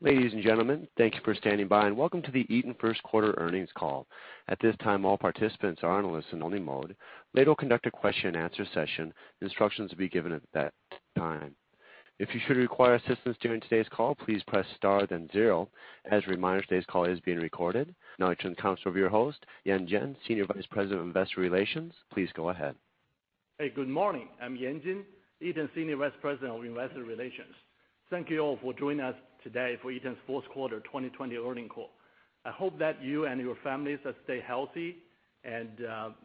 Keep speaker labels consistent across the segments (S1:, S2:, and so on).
S1: Ladies and gentlemen, thank you for standing by, and welcome to the Eaton first quarter earnings call. At this time, all participants are in a listen only mode. Later, we will conduct a question and answer session. Instructions will be given at that time. If you should require assistance during today's call, please press star then zero. As a reminder, today's call is being recorded. Now I turn the conference over to your host, Yan Jin, Senior Vice President of Investor Relations. Please go ahead.
S2: Hey, good morning. I'm Yan Jin, Eaton Senior Vice President of Investor Relations. Thank you all for joining us today for Eaton's first quarter 2020 earnings call. I hope that you and your families stay healthy and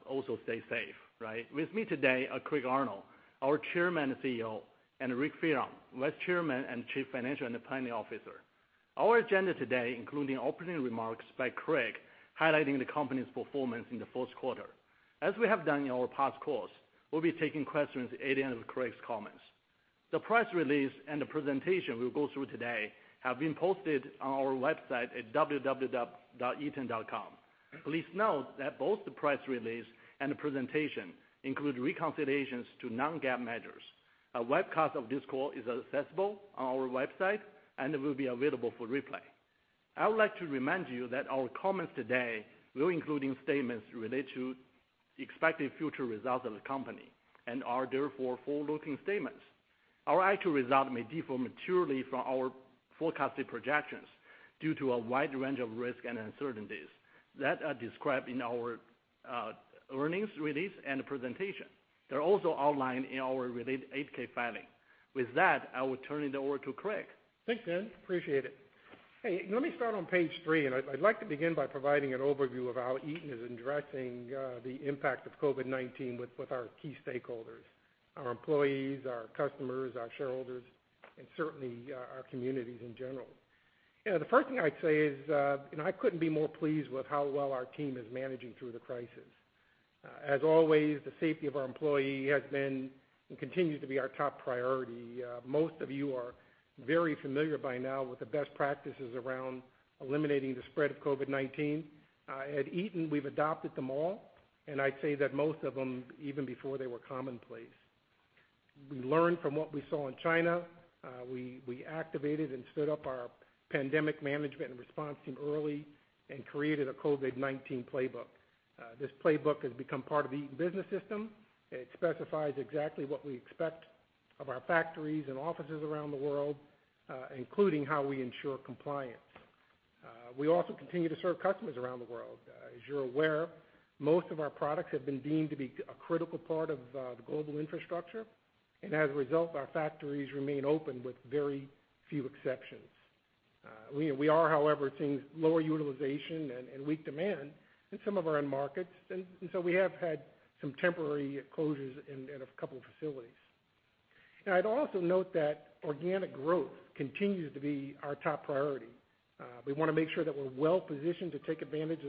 S2: also stay safe. Right? With me today are Craig Arnold, our Chairman and CEO, and Richard Fearon, Vice Chairman and Chief Financial and Planning Officer. Our agenda today, including opening remarks by Craig, highlighting the company's performance in the first quarter. As we have done in our past calls, we'll be taking questions at the end of Craig's comments. The press release and the presentation we'll go through today have been posted on our website at www.eaton.com. Please note that both the press release and the presentation include reconciliations to non-GAAP measures. A webcast of this call is accessible on our website, and it will be available for replay. I would like to remind you that our comments today will include statements related to expected future results of the company and are therefore forward-looking statements. Our actual results may differ materially from our forecasted projections due to a wide range of risks and uncertainties that are described in our earnings release and presentation. They're also outlined in our related 8-K filing. With that, I will turn it over to Craig.
S3: Thanks, Yan. Appreciate it. Hey, let me start on page three, and I'd like to begin by providing an overview of how Eaton is addressing the impact of COVID-19 with our key stakeholders, our employees, our customers, our shareholders, and certainly, our communities in general. The first thing I'd say is, I couldn't be more pleased with how well our team is managing through the crisis. As always, the safety of our employee has been, and continues to be, our top priority. Most of you are very familiar by now with the best practices around eliminating the spread of COVID-19. At Eaton, we've adopted them all, and I'd say that most of them, even before they were commonplace. We learned from what we saw in China. We activated and stood up our pandemic management and response team early and created a COVID-19 playbook. This playbook has become part of the Eaton Business System. It specifies exactly what we expect of our factories and offices around the world, including how we ensure compliance. We also continue to serve customers around the world. As you're aware, most of our products have been deemed to be a critical part of the global infrastructure, and as a result, our factories remain open with very few exceptions. We are, however, seeing lower utilization and weak demand in some of our end markets. We have had some temporary closures in a couple facilities. Now, I'd also note that organic growth continues to be our top priority. We want to make sure that we're well positioned to take advantage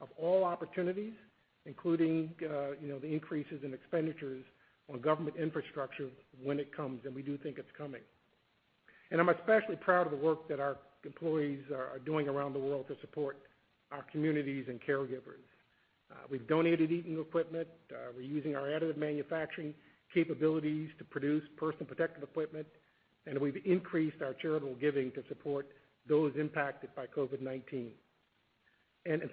S3: of all opportunities, including the increases in expenditures on government infrastructure when it comes, and we do think it's coming. I'm especially proud of the work that our employees are doing around the world to support our communities and caregivers. We've donated Eaton equipment. We're using our additive manufacturing capabilities to produce personal protective equipment, and we've increased our charitable giving to support those impacted by COVID-19.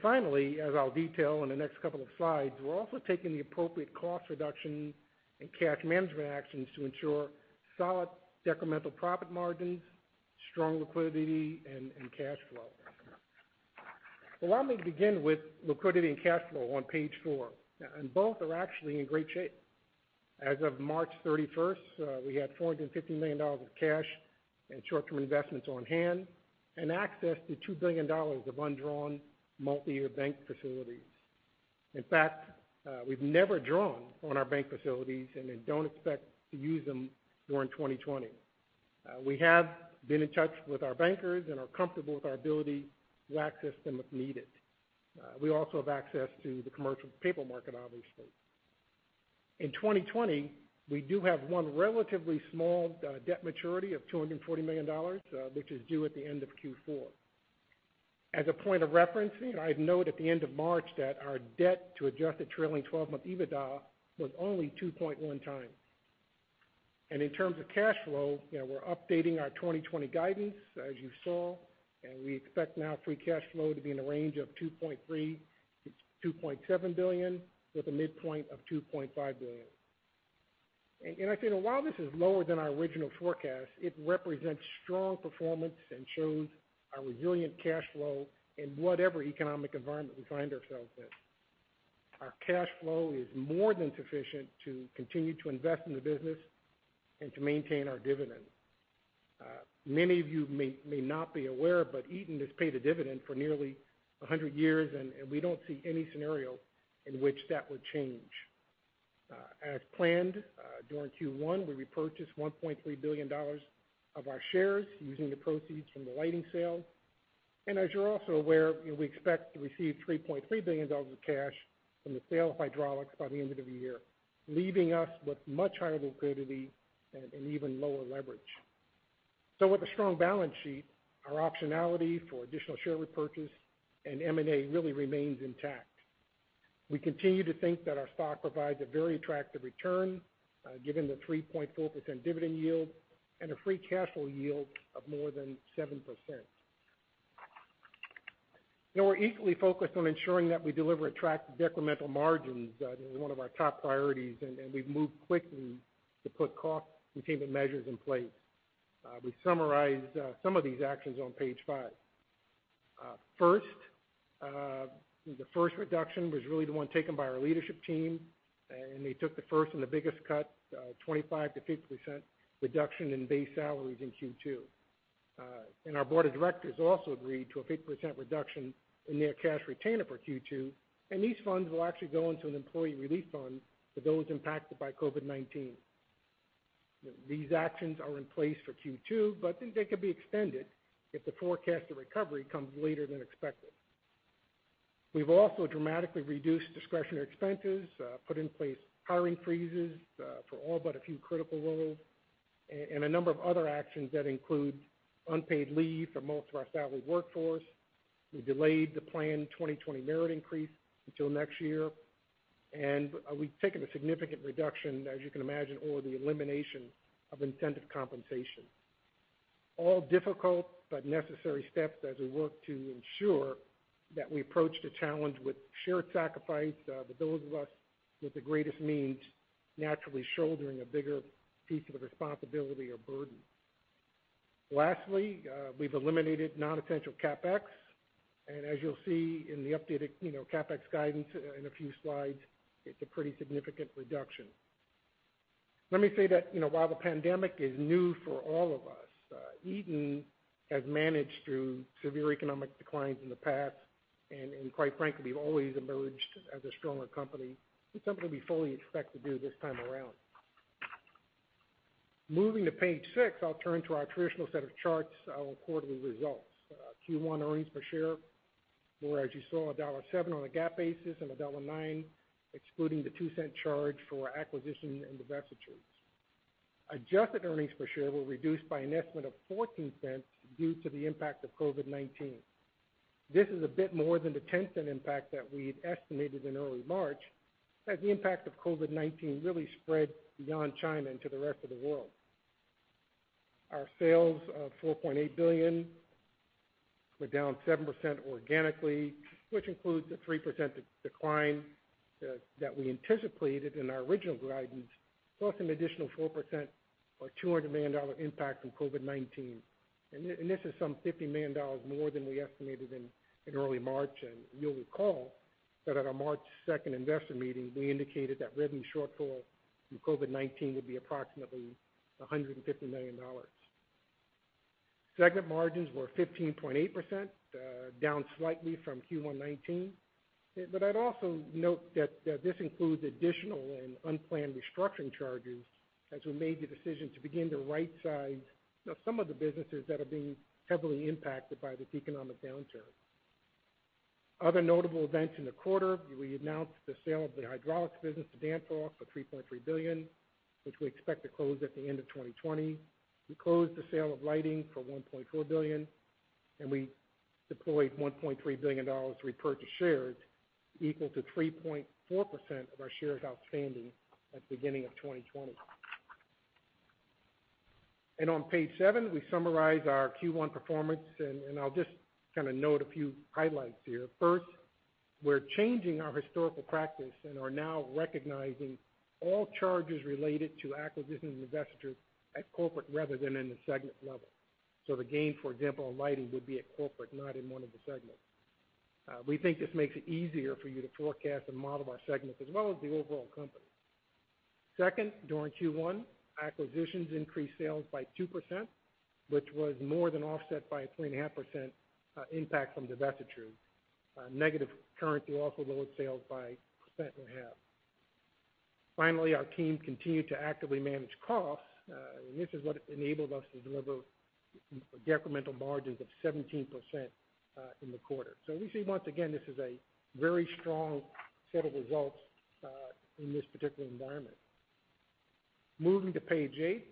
S3: Finally, as I'll detail in the next couple of slides, we're also taking the appropriate cost reduction and cash management actions to ensure solid incremental profit margins, strong liquidity, and cash flow. Allow me to begin with liquidity and cash flow on page four, and both are actually in great shape. As of March 31st, we had $450 million of cash and short-term investments on hand, and access to $2 billion of undrawn multi-year bank facilities. In fact, we've never drawn on our bank facilities and then don't expect to use them during 2020. We have been in touch with our bankers and are comfortable with our ability to access them if needed. We also have access to the commercial paper market, obviously. In 2020, we do have one relatively small debt maturity of $240 million, which is due at the end of Q4. As a point of reference, I'd note at the end of March that our debt to adjusted trailing 12-month EBITDA was only 2.1x. In terms of cash flow, we're updating our 2020 guidance, as you saw, and we expect now free cash flow to be in the range of $2.3 billion-$2.7 billion, with a midpoint of $2.5 billion. I'd say that while this is lower than our original forecast, it represents strong performance and shows our resilient cash flow in whatever economic environment we find ourselves in. Our cash flow is more than sufficient to continue to invest in the business and to maintain our dividend. Many of you may not be aware, but Eaton has paid a dividend for nearly 100 years, and we don't see any scenario in which that would change. As planned, during Q1, we repurchased $1.3 billion of our shares using the proceeds from the lighting sale. As you're also aware, we expect to receive $3.3 billion of cash from the sale of hydraulics by the end of the year, leaving us with much higher liquidity and even lower leverage. With a strong balance sheet, our optionality for additional share repurchase and M&A really remains intact. We continue to think that our stock provides a very attractive return, given the 3.4% dividend yield and a free cash flow yield of more than 7%. We're equally focused on ensuring that we deliver attractive decremental margins. That is one of our top priorities. We've moved quickly to put cost containment measures in place. We summarized some of these actions on page five. First, the first reduction was really the one taken by our leadership team. They took the first and the biggest cut, 25%-50% reduction in base salaries in Q2. Our board of directors also agreed to a 50% reduction in their cash retainer for Q2. These funds will actually go into an employee relief fund for those impacted by COVID-19. These actions are in place for Q2. They could be extended if the forecast to recovery comes later than expected. We've also dramatically reduced discretionary expenses, put in place hiring freezes for all but a few critical roles, and a number of other actions that include unpaid leave for most of our salary workforce. We delayed the planned 2020 merit increase until next year, and we've taken a significant reduction, as you can imagine, or the elimination of incentive compensation. All difficult but necessary steps as we work to ensure that we approach the challenge with shared sacrifice, with those of us with the greatest means naturally shouldering a bigger piece of the responsibility or burden. Lastly, we've eliminated non-essential CapEx, and as you'll see in the updated CapEx guidance in a few slides, it's a pretty significant reduction. Let me say that, while the pandemic is new for all of us, Eaton has managed through severe economic declines in the past, and quite frankly, we've always emerged as a stronger company. It's something we fully expect to do this time around. Moving to page six, I'll turn to our traditional set of charts on quarterly results. Q1 earnings per share were, as you saw, $1.7 on a GAAP basis and $1.9, excluding the $0.02 charge for acquisition and divestitures. Adjusted earnings per share were reduced by an estimate of $0.14 due to the impact of COVID-19. This is a bit more than the $0.10 impact that we had estimated in early March, as the impact of COVID-19 really spread beyond China and to the rest of the world. Our sales of $4.8 billion were down 7% organically, which includes the 3% decline that we anticipated in our original guidance, plus an additional 4% or $200 million impact from COVID-19. This is some $50 million more than we estimated in early March, and you'll recall that at our March 2nd investor meeting, we indicated that revenue shortfall from COVID-19 would be approximately $150 million. Segment margins were 15.8%, down slightly from Q1 2019. I'd also note that this includes additional and unplanned restructuring charges as we made the decision to begin to right size some of the businesses that are being heavily impacted by this economic downturn. Other notable events in the quarter, we announced the sale of the hydraulics business to Danfoss for $3.3 billion, which we expect to close at the end of 2020. We closed the sale of lighting for $1.4 billion, and we deployed $1.3 billion to repurchase shares, equal to 3.4% of our shares outstanding at the beginning of 2020. On page seven, we summarize our Q1 performance, and I'll just kind of note a few highlights here. First, we're changing our historical practice and are now recognizing all charges related to acquisition and divestitures at corporate rather than in the segment level. The gain, for example, on lighting would be at corporate, not in one of the segments. We think this makes it easier for you to forecast and model our segments as well as the overall company. Second, during Q1, acquisitions increased sales by 2%, which was more than offset by a 3.5% impact from divestitures. Negative currency also lowered sales by 1.5%. Finally, our team continued to actively manage costs. This is what enabled us to deliver decremental margins of 17% in the quarter. We see, once again, this is a very strong set of results in this particular environment. Moving to page eight,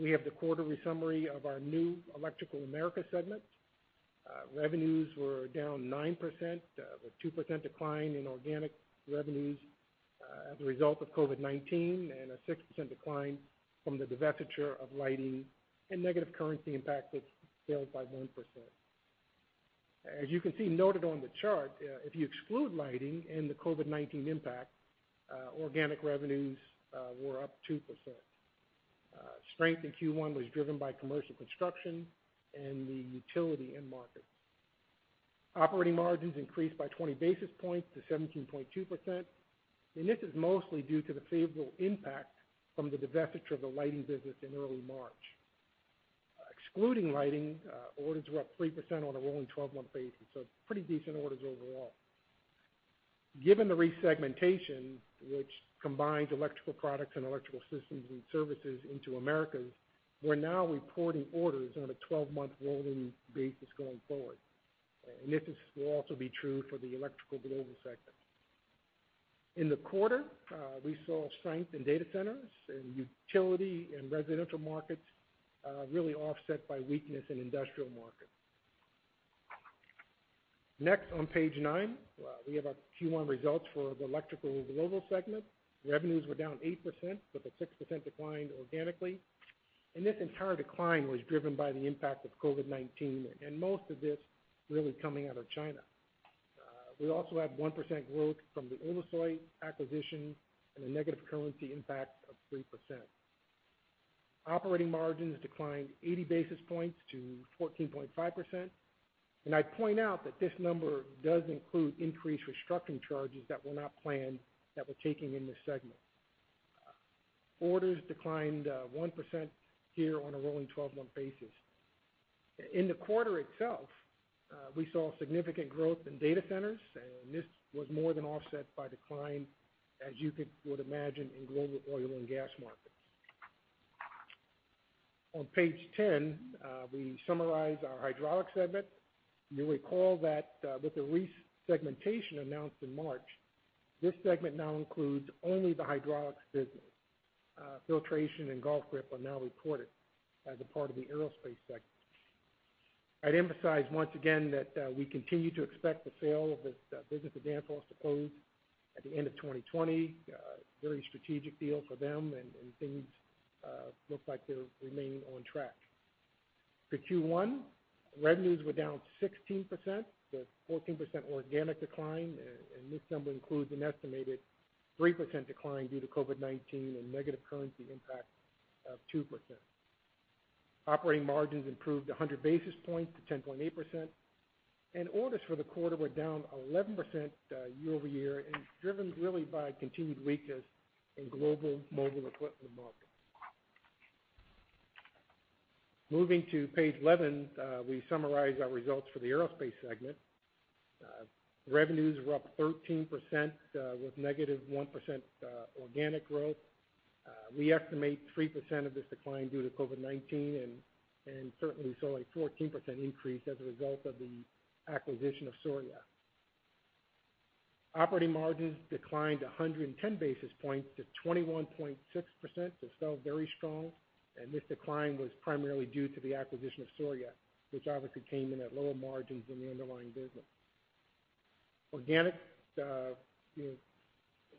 S3: we have the quarterly summary of our new Electrical Americas segment. Revenues were down 9%, with 2% decline in organic revenues as a result of COVID-19 and a 6% decline from the divestiture of lighting and negative currency impact, which fell by 1%. As you can see noted on the chart, if you exclude lighting and the COVID-19 impact, organic revenues were up 2%. Strength in Q1 was driven by commercial construction and the utility end markets. Operating margins increased by 20 basis points to 17.2%. This is mostly due to the favorable impact from the divestiture of the lighting business in early March. Excluding lighting, orders were up 3% on a rolling 12-month basis, so pretty decent orders overall. Given the resegmentation, which combines Electrical Products and Electrical Systems and Services into Americas, we're now reporting orders on a 12-month rolling basis going forward. This will also be true for the Electrical Global segment. In the quarter, we saw strength in data centers and utility and residential markets really offset by weakness in industrial markets. Next on page nine, we have our Q1 results for the Electrical Global segment. Revenues were down 8%, with a 6% decline organically. This entire decline was driven by the impact of COVID-19, and most of this really coming out of China. We also had 1% growth from the Ulusoy acquisition and a negative currency impact of 3%. Operating margins declined 80 basis points to 14.5%. I point out that this number does include increased restructuring charges that were not planned, that were taken in this segment. Orders declined 1% here on a rolling 12-month basis. In the quarter itself, we saw significant growth in data centers, and this was more than offset by decline, as you would imagine, in global oil and gas markets. On page 10, we summarize our Hydraulics Segment. You may recall that with the re-segmentation announced in March, this segment now includes only the hydraulics business. Filtration and Golf Grip are now reported as a part of the Aerospace Segment. I'd emphasize once again that we continue to expect the sale of this business to Danfoss to close at the end of 2020. Very strategic deal for them, and things look like they're remaining on track. For Q1, revenues were down 16%, with 14% organic decline. This number includes an estimated 3% decline due to COVID-19 and negative currency impact of 2%. Operating margins improved 100 basis points to 10.8%. Orders for the quarter were down 11% year-over-year and driven really by continued weakness in global mobile equipment markets. Moving to page 11, we summarize our results for the Aerospace segment. Revenues were up 13% with -1% organic growth. We estimate 3% of this decline due to COVID-19. Certainly saw a 14% increase as a result of the acquisition of Souriau-Sunbank. Operating margins declined 110 basis points to 21.6%, that's still very strong. This decline was primarily due to the acquisition of Souriau-Sunbank, which obviously came in at lower margins than the underlying business.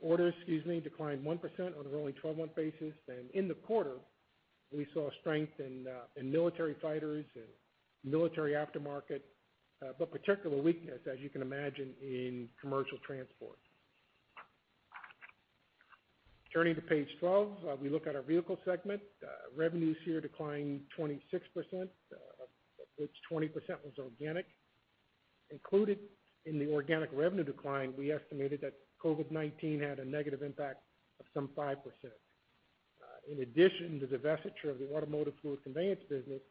S3: Organic orders declined 1% on a rolling 12-month basis, and in the quarter, we saw strength in military fighters and military aftermarket, but particular weakness, as you can imagine, in commercial transport. Turning to page 12, we look at our Vehicle segment. Revenues here declined 26%, of which 20% was organic. Included in the organic revenue decline, we estimated that COVID-19 had a negative impact of some 5%. In addition, the divestiture of the automotive fluid conveyance business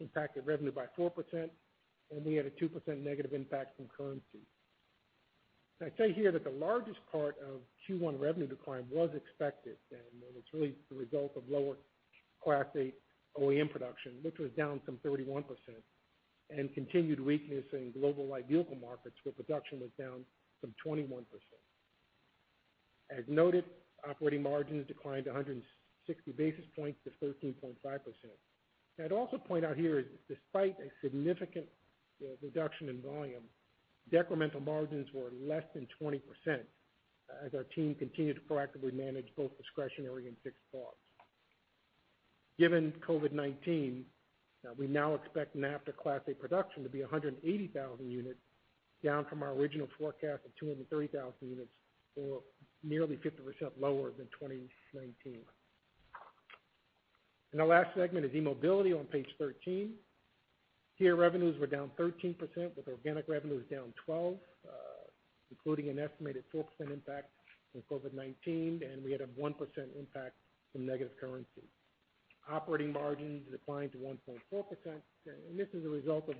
S3: impacted revenue by 4%, and we had a 2% negative impact from currency. I'd say here that the largest part of Q1 revenue decline was expected, and it's really the result of lower Class 8 OEM production, which was down some 31%, and continued weakness in global light vehicle markets, where production was down some 21%. As noted, operating margins declined 160 basis points to 13.5%. I'd also point out here is despite a significant reduction in volume, decremental margins were less than 20% as our team continued to proactively manage both discretionary and fixed costs. Given COVID-19, we now expect NAFTA Class 8 production to be 180,000 units, down from our original forecast of 230,000 units, or nearly 50% lower than 2019. Our last segment is eMobility on page 13. Here, revenues were down 13%, with organic revenues down 12%, including an estimated 4% impact from COVID-19, and we had a 1% impact from negative currency. Operating margins declined to 1.4%. This is a result of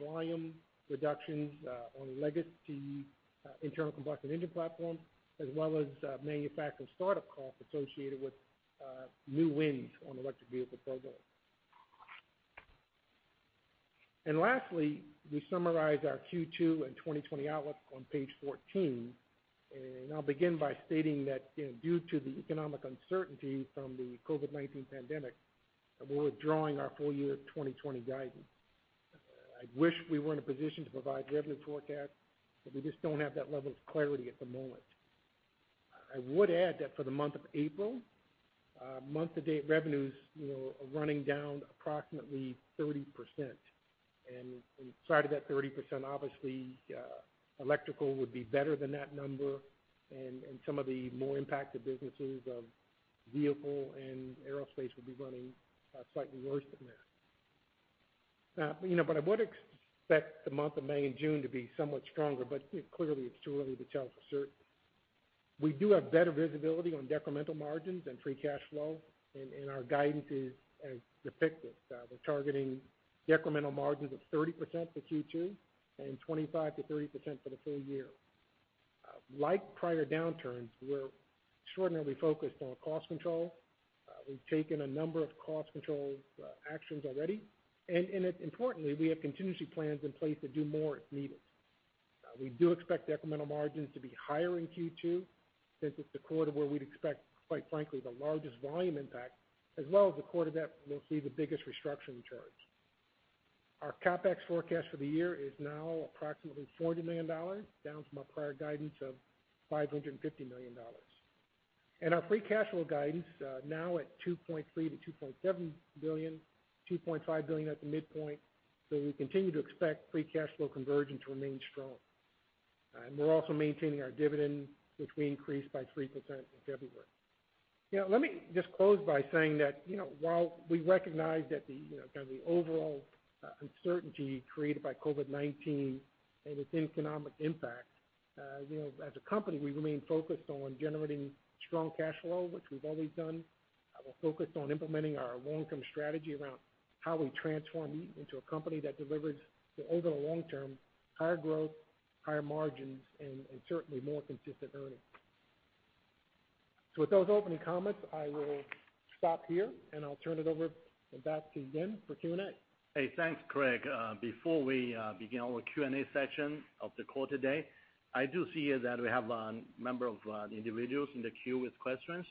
S3: volume reductions on legacy internal combustion engine platforms, as well as manufacturing startup costs associated with new wins on electric vehicle programs. Lastly, we summarize our Q2 and 2020 outlook on page 14. I'll begin by stating that due to the economic uncertainty from the COVID-19 pandemic, we're withdrawing our full-year 2020 guidance. I wish we were in a position to provide revenue forecast, we just don't have that level of clarity at the moment. I would add that for the month of April, month-to-date revenues are running down approximately 30%. Inside of that 30%, obviously, Electrical would be better than that number and some of the more impacted businesses of Vehicle and Aerospace would be running slightly worse than that. I would expect the month of May and June to be somewhat stronger, clearly it's too early to tell for certain. We do have better visibility on decremental margins and free cash flow. Our guidance is as depicted. We're targeting decremental margins of 30% for Q2 and 25%-30% for the full year. Like prior downturns, we're extraordinarily focused on cost control. We've taken a number of cost control actions already. Importantly, we have contingency plans in place to do more if needed. We do expect decremental margins to be higher in Q2, since it's the quarter where we'd expect, quite frankly, the largest volume impact, as well as the quarter that we'll see the biggest restructuring charge. Our CapEx forecast for the year is now approximately $400 million, down from our prior guidance of $550 million. Our free cash flow guidance, now at $2.3 billion-$2.7 billion, $2.5 billion at the midpoint. We continue to expect free cash flow conversion to remain strong. We're also maintaining our dividend, which we increased by 3% in February. Let me just close by saying that while we recognize the kind of the overall uncertainty created by COVID-19 and its economic impact, as a company, we remain focused on generating strong cash flow, which we've always done. We're focused on implementing our long-term strategy around how we transform Eaton into a company that delivers, over the long term, higher growth, higher margins, and certainly more consistent earnings. With those opening comments, I will stop here, and I'll turn it over back to Yan for Q&A.
S2: Hey, thanks, Craig. Before we begin our Q&A section of the call today, I do see here that we have a number of individuals in the queue with questions.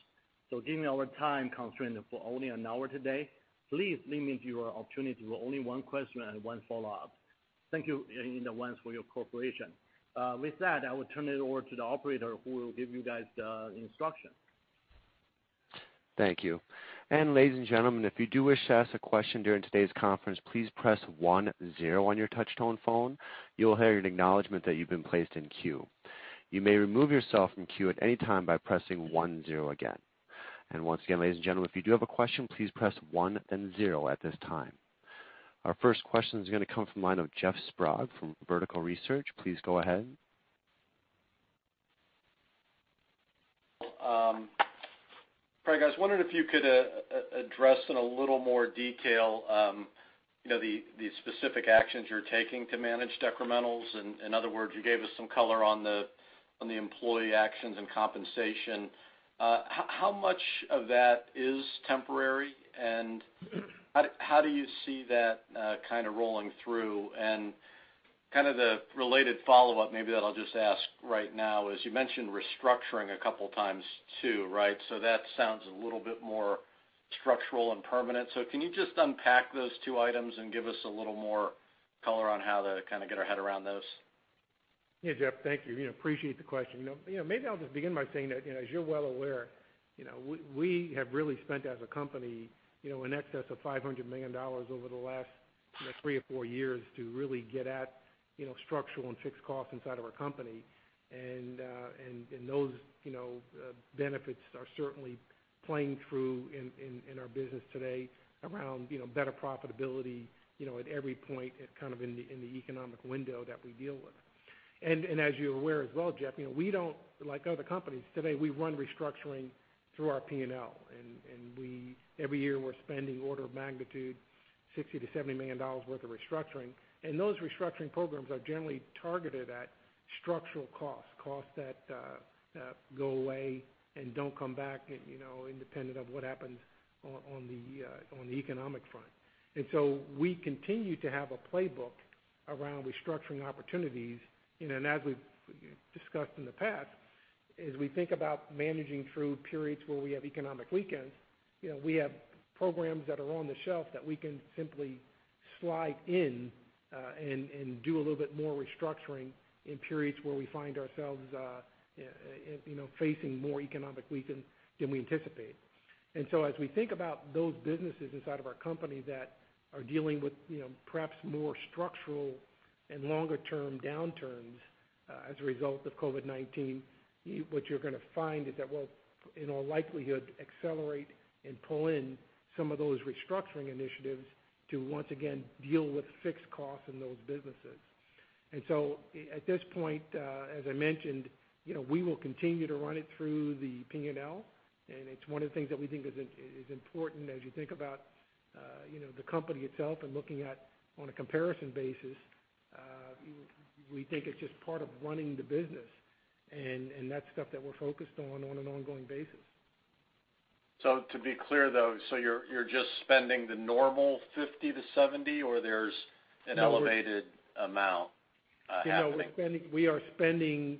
S2: Given our time constraint of only one hour today, please limit your opportunity to only one question and one follow-up. Thank you in advance for your cooperation. With that, I will turn it over to the operator, who will give you guys the instruction.
S1: Thank you. Ladies and gentlemen, if you do wish to ask a question during today's conference, please press one zero on your touch-tone phone. You will hear an acknowledgement that you've been placed in queue. You may remove yourself from queue at any time by pressing one zero again. Once again, ladies and gentlemen, if you do have a question, please press one then zero at this time. Our first question is going to come from the line of Jeff Sprague from Vertical Research. Please go ahead.
S4: Craig, I was wondering if you could address in a little more detail the specific actions you're taking to manage decrementals. In other words, you gave us some color on the employee actions and compensation. How much of that is temporary, and how do you see that kind of rolling through? Kind of the related follow-up maybe that I'll just ask right now is, you mentioned restructuring a couple times, too. That sounds a little bit more structural and permanent. Can you just unpack those two items and give us a little more color on how to kind of get our head around those?
S3: Yeah, Jeff, thank you. Appreciate the question. Maybe I'll just begin by saying that, as you're well aware, we have really spent, as a company, in excess of $500 million over the last three or four years to really get at structural and fixed costs inside of our company. Those benefits are certainly playing through in our business today around better profitability at every point kind of in the economic window that we deal with. As you're aware as well, Jeff, unlike other companies today, we run restructuring through our P&L. Every year we're spending order of magnitude $60 million-$70 million worth of restructuring. Those restructuring programs are generally targeted at structural costs that go away and don't come back independent of what happens on the economic front. We continue to have a playbook around restructuring opportunities. As we've discussed in the past, as we think about managing through periods where we have economic weakness, we have programs that are on the shelf that we can simply slide in and do a little bit more restructuring in periods where we find ourselves facing more economic weakness than we anticipate. As we think about those businesses inside of our company that are dealing with perhaps more structural and longer-term downturns as a result of COVID-19, what you're going to find is that we'll, in all likelihood, accelerate and pull in some of those restructuring initiatives to once again deal with fixed costs in those businesses. At this point, as I mentioned, we will continue to run it through the P&L. It's one of the things that we think is important as you think about the company itself and looking at on a comparison basis. We think it's just part of running the business. That's stuff that we're focused on an ongoing basis.
S4: To be clear, though, so you're just spending the normal $50-$70, or there's an elevated amount happening?
S3: We are spending,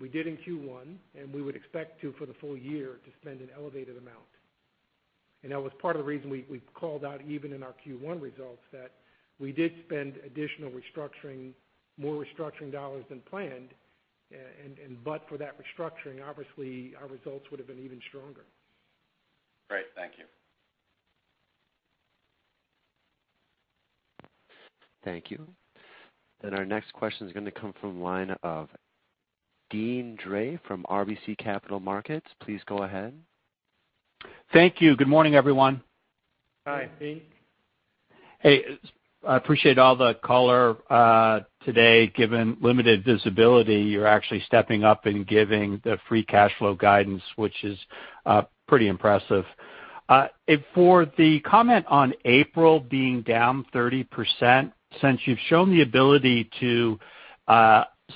S3: we did in Q1, and we would expect to for the full year, to spend an elevated amount. That was part of the reason we called out even in our Q1 results that we did spend additional restructuring, more restructuring dollars than planned. For that restructuring, obviously, our results would have been even stronger.
S4: Great. Thank you.
S1: Thank you. Our next question is going to come from the line of Deane Dray from RBC Capital Markets. Please go ahead.
S5: Thank you. Good morning, everyone.
S3: Hi, Deane.
S5: Hey. I appreciate all the color today. Given limited visibility, you're actually stepping up and giving the free cash flow guidance, which is pretty impressive. For the comment on April being down 30%, since you've shown the ability to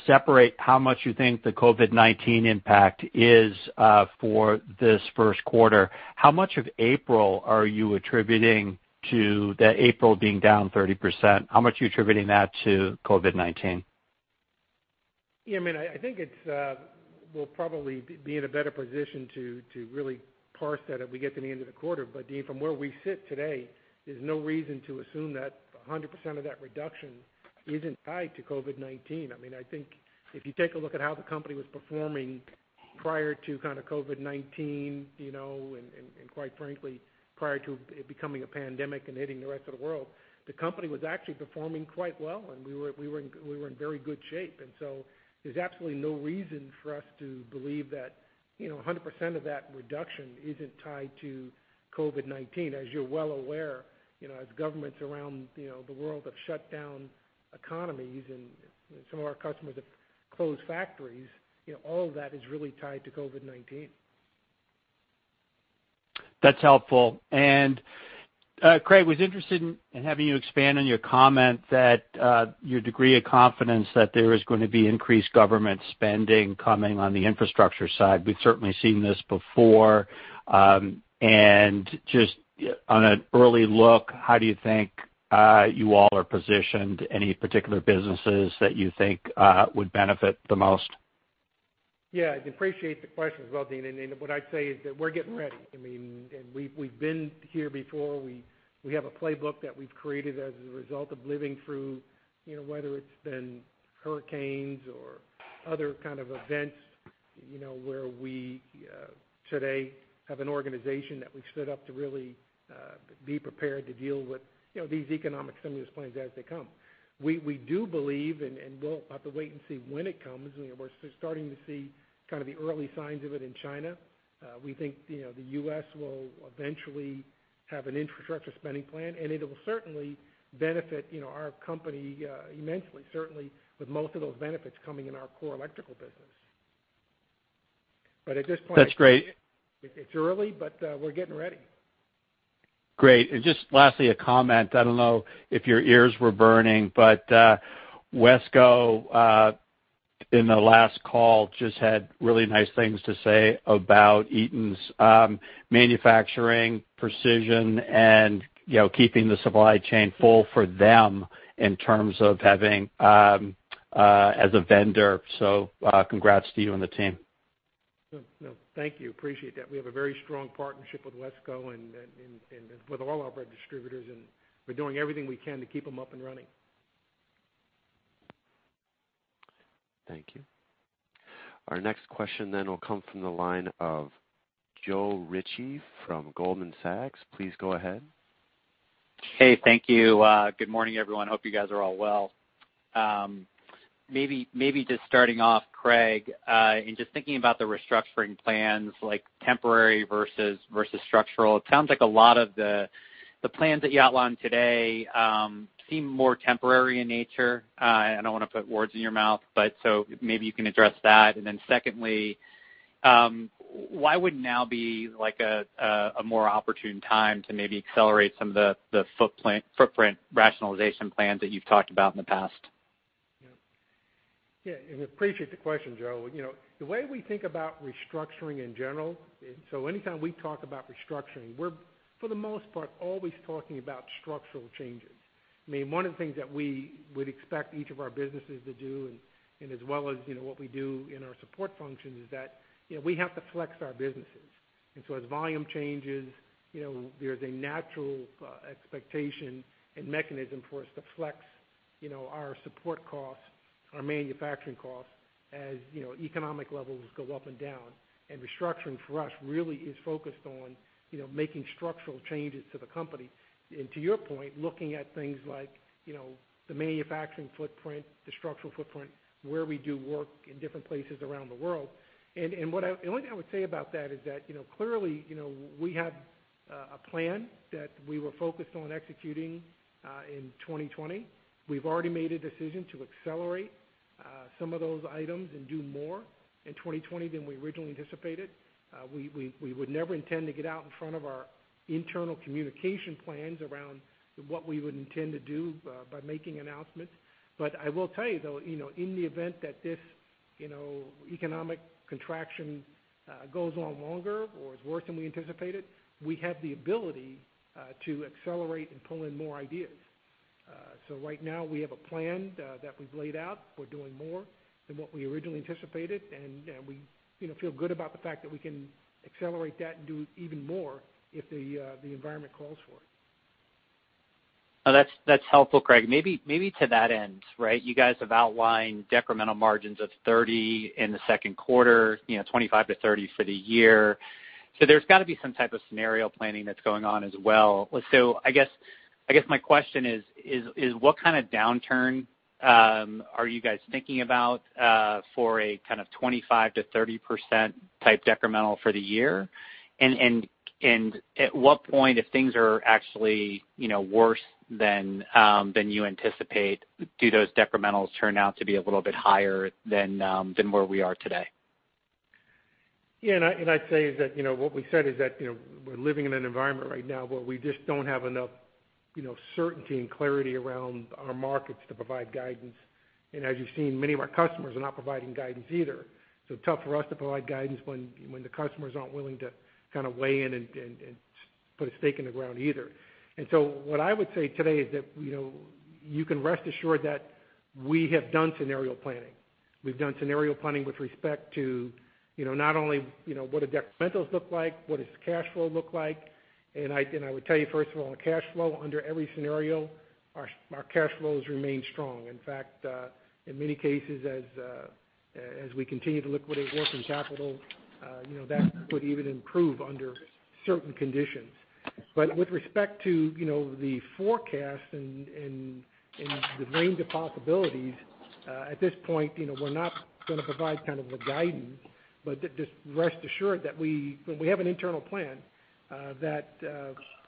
S5: separate how much you think the COVID-19 impact is for this first quarter, how much of April are you attributing to the April being down 30%? How much are you attributing that to COVID-19?
S3: I think we'll probably be in a better position to really parse that as we get to the end of the quarter. Deane, from where we sit today, there's no reason to assume that 100% of that reduction isn't tied to COVID-19. I think if you take a look at how the company was performing prior to kind of COVID-19, and quite frankly, prior to it becoming a pandemic and hitting the rest of the world, the company was actually performing quite well, and we were in very good shape. There's absolutely no reason for us to believe that 100% of that reduction isn't tied to COVID-19. As you're well aware, as governments around the world have shut down economies and some of our customers have closed factories, all of that is really tied to COVID-19.
S5: That's helpful. Craig, was interested in having you expand on your comment that your degree of confidence that there is going to be increased government spending coming on the infrastructure side. We've certainly seen this before. Just on an early look, how do you think you all are positioned? Any particular businesses that you think would benefit the most?
S3: Yeah, I appreciate the question as well, Deane. What I'd say is that we're getting ready. We have a playbook that we've created as a result of living through, whether it's been hurricanes or other kind of events, where we today have an organization that we've stood up to really be prepared to deal with these economic stimulus plans as they come. We do believe, and we'll have to wait and see when it comes. We're starting to see kind of the early signs of it in China. We think the U.S. will eventually have an infrastructure spending plan, and it'll certainly benefit our company immensely, certainly with most of those benefits coming in our core electrical business. At this point-
S5: That's great.
S3: It's early, but we're getting ready.
S5: Great. Just lastly, a comment. I don't know if your ears were burning, Wesco, in the last call, just had really nice things to say about Eaton's manufacturing precision and keeping the supply chain full for them in terms of having as a vendor. Congrats to you and the team.
S3: No, thank you. Appreciate that. We have a very strong partnership with Wesco and with all of our distributors, and we're doing everything we can to keep them up and running.
S1: Thank you. Our next question will come from the line of Joe Ritchie from Goldman Sachs. Please go ahead.
S6: Hey, thank you. Good morning, everyone. Hope you guys are all well. Maybe just starting off, Craig, in just thinking about the restructuring plans, like temporary versus structural, it sounds like a lot of the plans that you outlined today seem more temporary in nature. I don't want to put words in your mouth, but so maybe you can address that. Secondly, why would now be a more opportune time to maybe accelerate some of the footprint rationalization plans that you've talked about in the past?
S3: Yeah. Appreciate the question, Joe. The way we think about restructuring in general, anytime we talk about restructuring, we're, for the most part, always talking about structural changes. One of the things that we would expect each of our businesses to do, and as well as what we do in our support functions, is that we have to flex our businesses. As volume changes, there's a natural expectation and mechanism for us to flex our support costs, our manufacturing costs, as economic levels go up and down. Restructuring for us really is focused on making structural changes to the company. To your point, looking at things like the manufacturing footprint, the structural footprint, where we do work in different places around the world. The only thing I would say about that is that, clearly we have a plan that we were focused on executing in 2020. We've already made a decision to accelerate some of those items and do more in 2020 than we originally anticipated. We would never intend to get out in front of our internal communication plans around what we would intend to do by making announcements. I will tell you, though, in the event that this economic contraction goes on longer or is worse than we anticipated, we have the ability to accelerate and pull in more ideas. Right now we have a plan that we've laid out. We're doing more than what we originally anticipated, and we feel good about the fact that we can accelerate that and do even more if the environment calls for it.
S6: No, that's helpful, Craig. Maybe to that end, right? You guys have outlined decremental margins of 30% in the second quarter, 25%-30% for the year. There's got to be some type of scenario planning that's going on as well. I guess my question is what kind of downturn are you guys thinking about for a kind of 25%-30% type decremental for the year? And at what point, if things are actually worse than you anticipate, do those decrementals turn out to be a little bit higher than where we are today?
S3: Yeah, I'd say is that, what we said is that we're living in an environment right now where we just don't have enough certainty and clarity around our markets to provide guidance. As you've seen, many of our customers are not providing guidance either. Tough for us to provide guidance when the customers aren't willing to kind of weigh in and put a stake in the ground either. What I would say today is that you can rest assured that we have done scenario planning. We've done scenario planning with respect to not only what do decrementals look like, what does cash flow look like? I would tell you, first of all, on cash flow, under every scenario, our cash flows remain strong. In fact, in many cases, as we continue to liquidate working capital, that could even improve under certain conditions. With respect to the forecast and the range of possibilities, at this point we're not going to provide kind of the guidance, but just rest assured that we have an internal plan that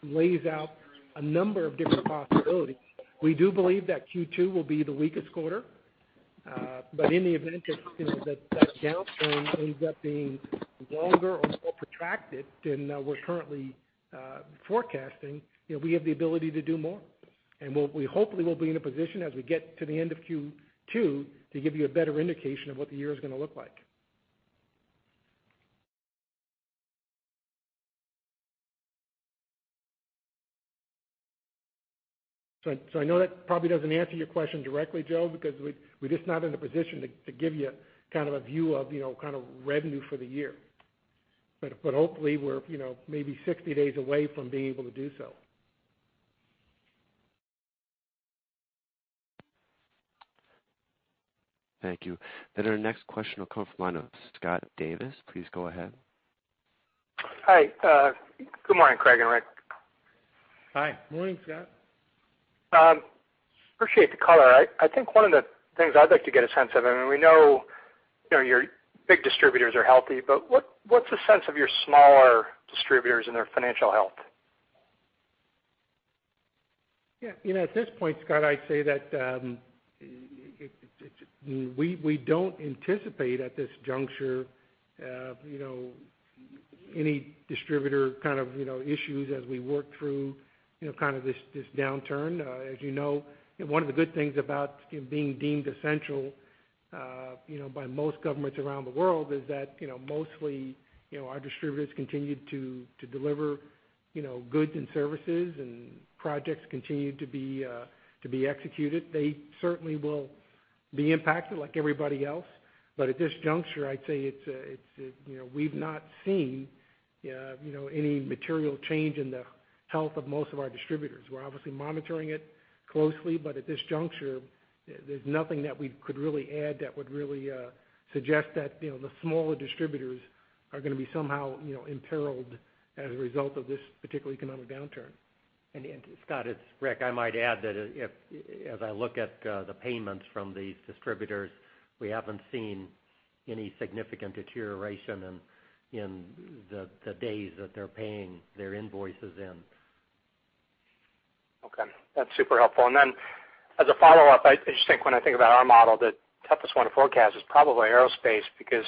S3: lays out a number of different possibilities. We do believe that Q2 will be the weakest quarter. In the event that that downswing ends up being longer or more protracted than we're currently forecasting, we have the ability to do more. We hopefully will be in a position as we get to the end of Q2 to give you a better indication of what the year is going to look like. I know that probably doesn't answer your question directly, Joe, because we're just not in a position to give you kind of a view of revenue for the year. Hopefully we're maybe 60 days away from being able to do so.
S1: Thank you. Our next question will come from the line of Scott Davis. Please go ahead.
S7: Hi. Good morning, Craig and Rick.
S3: Hi.
S8: Morning, Scott.
S7: Appreciate the color. I think one of the things I'd like to get a sense of, and we know your big distributors are healthy, but what's the sense of your smaller distributors and their financial health?
S3: Yeah. At this point, Scott, I'd say that we don't anticipate at this juncture any distributor kind of issues as we work through this downturn. As you know, one of the good things about being deemed essential by most governments around the world is that mostly our distributors continued to deliver goods and services, and projects continued to be executed. They certainly will be impacted like everybody else. At this juncture, I'd say we've not seen any material change in the health of most of our distributors. We're obviously monitoring it closely, but at this juncture, there's nothing that we could really add that would really suggest that the smaller distributors are going to be somehow imperiled as a result of this particular economic downturn.
S8: Scott, it's Rick. I might add that as I look at the payments from these distributors, we haven't seen any significant deterioration in the days that they're paying their invoices in.
S7: Okay. That's super helpful. I just think when I think about our model, the toughest one to forecast is probably aerospace, because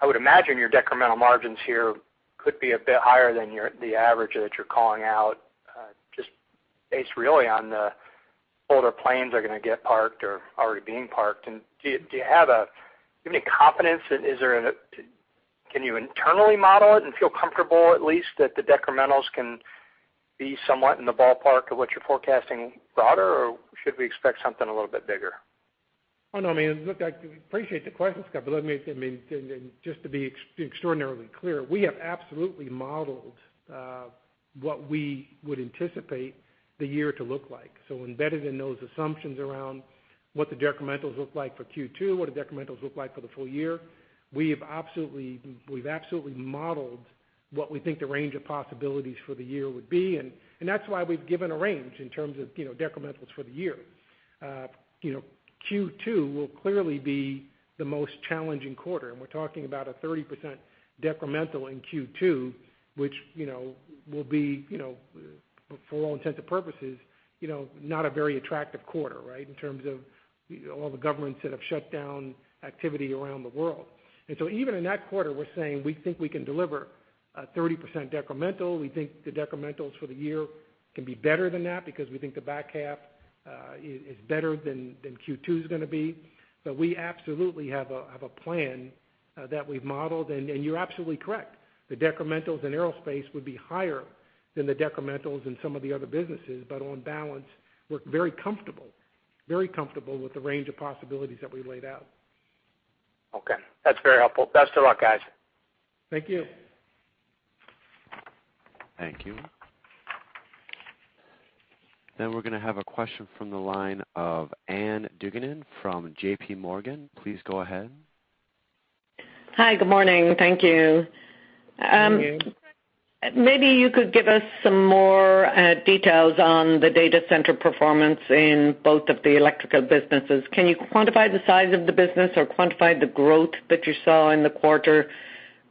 S7: I would imagine your decremental margins here could be a bit higher than the average that you're calling out, just based really on the older planes are going to get parked or are already being parked. Can you internally model it and feel comfortable at least that the decrementals can be somewhat in the ballpark of what you're forecasting broader? Or should we expect something a little bit bigger?
S3: I mean, look, I appreciate the question, Scott, just to be extraordinarily clear, we have absolutely modeled what we would anticipate the year to look like. Embedded in those assumptions around what the decrementals look like for Q2, what do decrementals look like for the full year, we've absolutely modeled what we think the range of possibilities for the year would be. That's why we've given a range in terms of decrementals for the year. Q2 will clearly be the most challenging quarter, and we're talking about a 30% decremental in Q2, which will be, for all intents and purposes, not a very attractive quarter, right, in terms of all the governments that have shut down activity around the world. Even in that quarter, we're saying we think we can deliver a 30% decremental. We think the decrementals for the year can be better than that because we think the back half is better than Q2 is going to be. We absolutely have a plan that we've modeled. You're absolutely correct. The decrementals in aerospace would be higher than the decrementals in some of the other businesses, but on balance, we're very comfortable with the range of possibilities that we laid out.
S7: Okay. That's very helpful. Best of luck, guys.
S3: Thank you.
S1: Thank you. We're going to have a question from the line of Ann Duignan from JPMorgan. Please go ahead.
S9: Hi. Good morning. Thank you.
S3: Thank you.
S9: Maybe you could give us some more details on the data center performance in both of the electrical businesses. Can you quantify the size of the business or quantify the growth that you saw in the quarter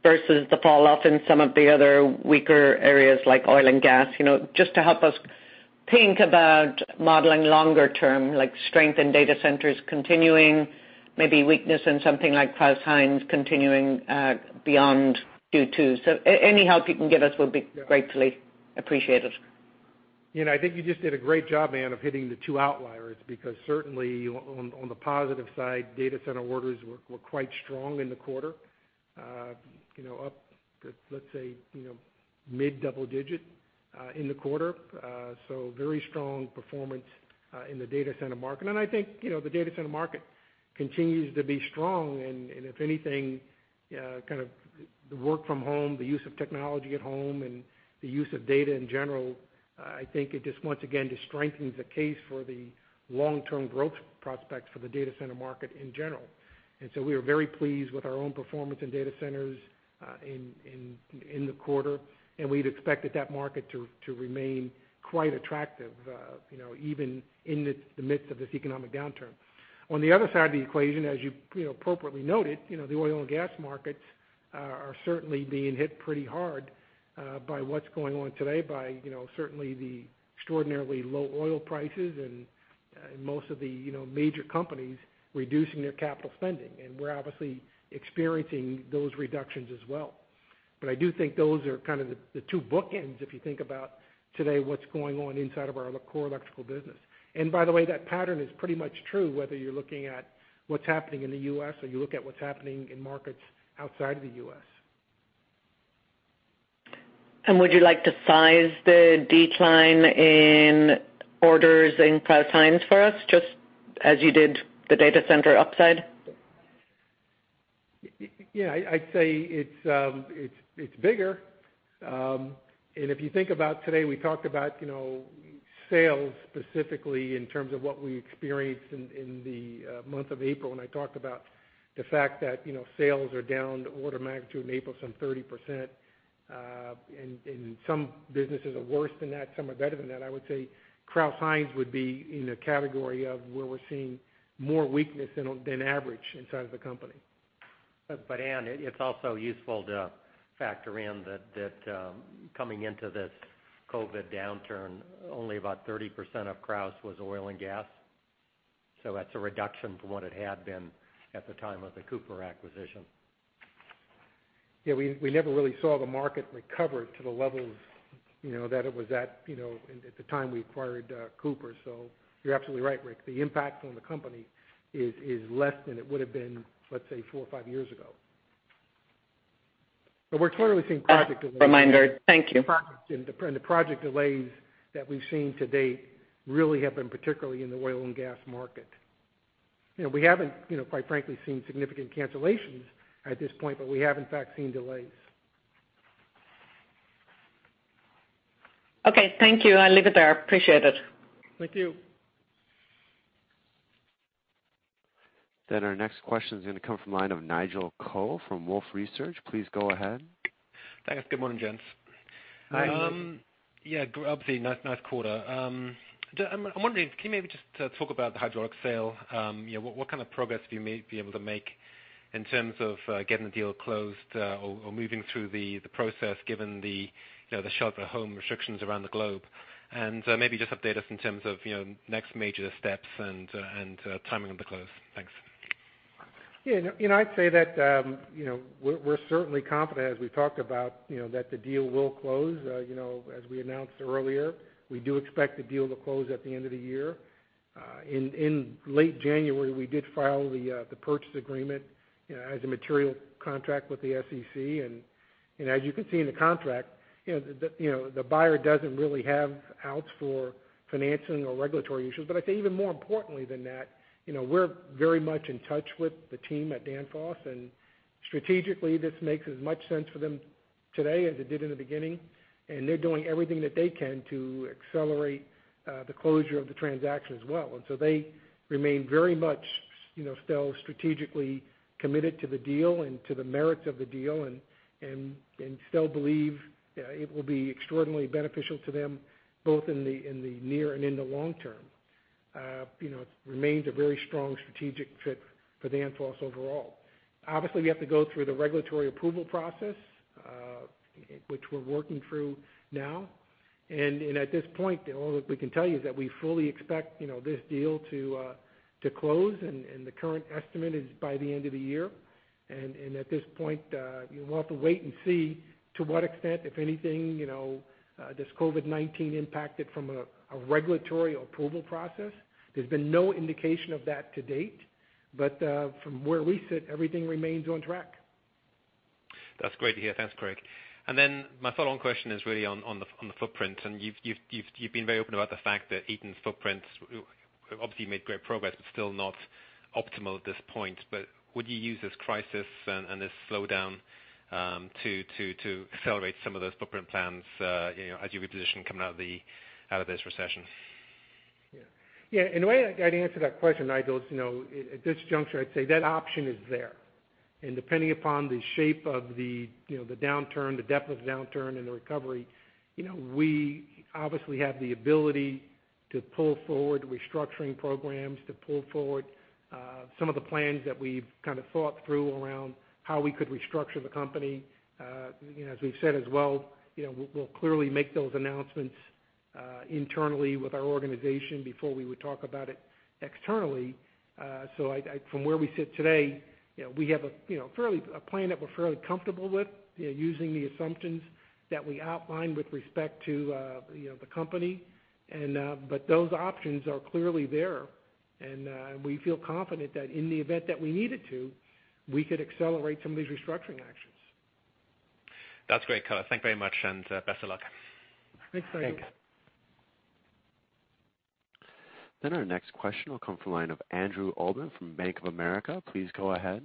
S9: versus the falloff in some of the other weaker areas like oil and gas? Just to help us think about modeling longer term, like strength in data centers continuing, maybe weakness in something like Crouse-Hinds continuing beyond Q2. Any help you can give us would be gratefully appreciated.
S3: I think you just did a great job, Ann, of hitting the two outliers, because certainly on the positive side, data center orders were quite strong in the quarter. Up, let's say, mid double digit in the quarter. Very strong performance in the data center market. I think the data center market continues to be strong and if anything, kind of the work from home, the use of technology at home and the use of data in general, I think it once again strengthens the case for the long-term growth prospects for the data center market in general. We are very pleased with our own performance in data centers in the quarter, and we'd expect that market to remain quite attractive, even in the midst of this economic downturn. On the other side of the equation, as you appropriately noted, the oil and gas markets are certainly being hit pretty hard by what's going on today by certainly the extraordinarily low oil prices and most of the major companies reducing their capital spending. We're obviously experiencing those reductions as well. I do think those are kind of the two bookends, if you think about today what's going on inside of our core electrical business. By the way, that pattern is pretty much true, whether you're looking at what's happening in the U.S. or you look at what's happening in markets outside of the U.S.
S9: Would you like to size the decline in orders in Crouse-Hinds for us just as you did the data center upside?
S3: Yeah, I'd say it's bigger. If you think about today, we talked about sales specifically in terms of what we experienced in the month of April when I talked about the fact that sales are down order of magnitude in April, some 30%. Some businesses are worse than that, some are better than that. I would say Crouse-Hinds would be in a category of where we're seeing more weakness than average inside of the company.
S8: Anne, it's also useful to factor in that coming into this COVID-19 downturn, only about 30% of Crouse-Hinds was oil and gas. That's a reduction from what it had been at the time of the Cooper Industries acquisition.
S3: Yeah, we never really saw the market recover to the levels that it was at the time we acquired Cooper. You're absolutely right, Rick. The impact on the company is less than it would have been, let's say four or five years ago. We're clearly seeing project delays.
S9: Reminder. Thank you.
S3: The project delays that we've seen to date really have been particularly in the oil and gas market. We haven't, quite frankly, seen significant cancellations at this point, but we have in fact seen delays.
S9: Okay. Thank you. I'll leave it there. Appreciate it.
S3: Thank you.
S1: Our next question is going to come from the line of Nigel Coe from Wolfe Research. Please go ahead.
S10: Thanks. Good morning, gents.
S3: Hi, Nigel.
S10: Yeah, obviously, nice quarter. I'm wondering, can you maybe just talk about the hydraulic sale. What kind of progress have you been able to make in terms of getting the deal closed or moving through the process given the shelter at home restrictions around the globe? Maybe just update us in terms of next major steps and timing of the close. Thanks.
S3: Yeah. I'd say that we're certainly confident, as we've talked about, that the deal will close. As we announced earlier, we do expect the deal to close at the end of the year. In late January, we did file the purchase agreement as a material contract with the SEC. As you can see in the contract, the buyer doesn't really have outs for financing or regulatory issues. I'd say even more importantly than that, we're very much in touch with the team at Danfoss, and strategically this makes as much sense for them today as it did in the beginning. They're doing everything that they can to accelerate the closure of the transaction as well. They remain very much still strategically committed to the deal and to the merits of the deal and still believe it will be extraordinarily beneficial to them both in the near and in the long term. It remains a very strong strategic fit for Danfoss overall. Obviously, we have to go through the regulatory approval process, which we're working through now. At this point, all that we can tell you is that we fully expect this deal to close, and the current estimate is by the end of the year. At this point, we'll have to wait and see to what extent, if anything, this COVID-19 impacted from a regulatory approval process. There's been no indication of that to date. From where we sit, everything remains on track.
S10: That's great to hear. Thanks, Craig. My follow-on question is really on the footprint. You've been very open about the fact that Eaton's footprint obviously made great progress, but still not optimal at this point. Would you use this crisis and this slowdown to accelerate some of those footprint plans as you reposition coming out of this recession?
S3: Yeah. The way I'd answer that question, Nigel, is at this juncture, I'd say that option is there. Depending upon the shape of the downturn, the depth of the downturn, and the recovery, we obviously have the ability to pull forward restructuring programs, to pull forward some of the plans that we've kind of thought through around how we could restructure the company. As we've said as well, we'll clearly make those announcements internally with our organization before we would talk about it externally. From where we sit today, we have a plan that we're fairly comfortable with using the assumptions that we outlined with respect to the company. Those options are clearly there. We feel confident that in the event that we needed to, we could accelerate some of these restructuring actions.
S10: That's great, Craig. Thank you very much, and best of luck.
S3: Thanks, Nigel.
S10: Thanks.
S1: Our next question will come from the line of Andrew Obin from Bank of America. Please go ahead.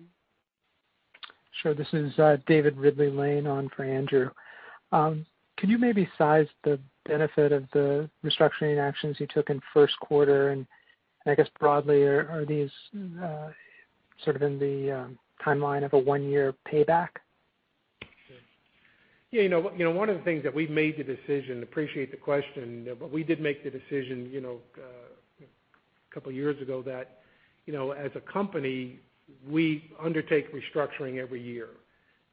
S11: Sure. This is David Ridley-Lane on for Andrew Obin. Can you maybe size the benefit of the restructuring actions you took in first quarter? I guess broadly, are these sort of in the timeline of a one-year payback?
S3: Yeah, one of the things that we've made the decision, appreciate the question, but we did make the decision a couple of years ago that, as a company, we undertake restructuring every year.